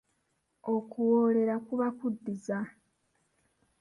Okuwoolera kuba kuddiza.